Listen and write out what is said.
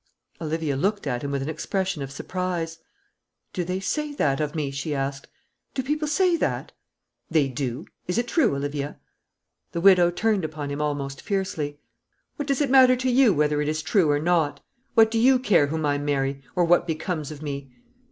Olivia looked at him with an expression of surprise. "Do they say that of me?" she asked. "Do people say that?" "They do. Is it true, Olivia?" The widow turned upon him almost fiercely. "What does it matter to you whether it is true or not? What do you care whom I marry, or what becomes of me?"